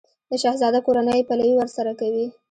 د شهزاده کورنۍ یې پلوی ورسره کوي.